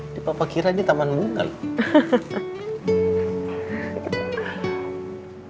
di papa kira ini taman bunga loh